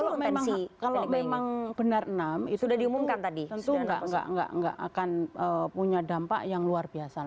kalau memang benar enam itu tentu tidak akan punya dampak yang luar biasa